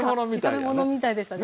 炒め物みたいでしたね。